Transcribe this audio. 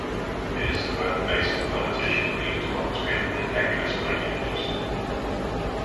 It is the birthplace of politician Helle Thorning-Schmidt and actress Brigitte Nielsen.